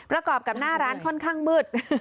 ระกอบกับหน้าร้านค่อยมืด